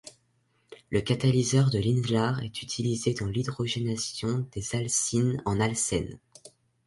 Le catalyseur de Lindlar est utilisé dans l'hydrogénation des alcynes en alcènes.